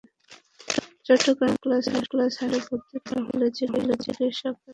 Chittagong medical college হাসপাতালে ভর্তি করা হলে চিকিৎসক তাঁকে মৃত ঘোষণা করেন।